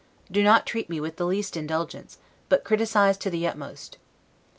Do not treat me with the least indulgence, but criticise to the utmost.